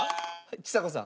ちさ子さん。